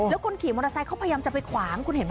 แล้วคนขี่มอเตอร์ไซค์เขาพยายามจะไปขวาง